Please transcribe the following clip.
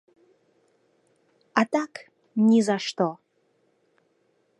А так, ні за што.